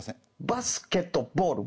バスケットボールＢＫＢ。